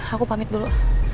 aku pamit dulu